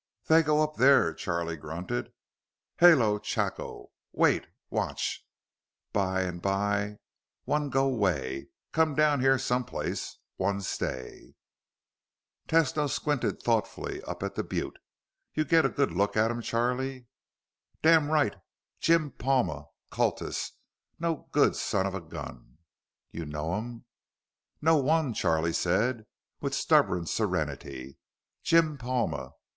"They go up there," Charlie grunted. "Halo chako. Wait. Watch. By and by one go 'way. Come down here someplace. One stay." Tesno squinted thoughtfully up at the butte. "You get a look at 'em, Charlie?" "Damn right. Jim Palma. Cultus no good son of a gun." "You know 'em?" "Know one," Charley said with stubborn serenity. "Jim Palma.